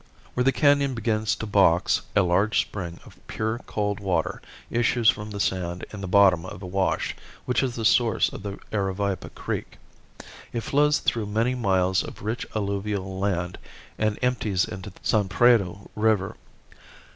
Where the canon begins to box a large spring of pure cold water issues from the sand in the bottom of a wash which is the source of the Aravaipa creek. It flows through many miles of rich alluvial land and empties into the San Predo river.